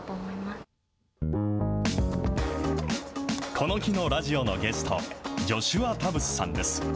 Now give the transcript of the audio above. この日のラジオのゲスト、ジョシュア・タブスさんです。